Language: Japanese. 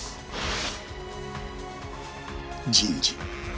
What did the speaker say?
人事。